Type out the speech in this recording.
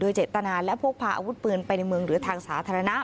เจตนาและพกพาอาวุธปืนไปในเมืองหรือทางสาธารณะ